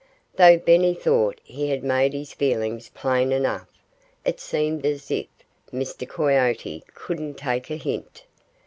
Though Benny thought he had made his feelings plain enough, it seemed as if Mr. Coyote couldn't take a hint.